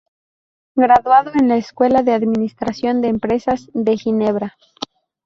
Graduado de la Escuela de Administración de Empresas de Ginebra.